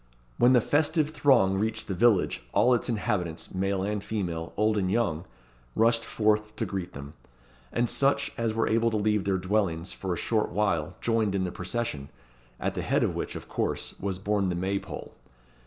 When the festive throng reached the village, all its inhabitants male and female, old and young rushed forth to greet them; and such as were able to leave their dwellings for a short while joined in the procession, at the head of which, of course, was borne the May pole.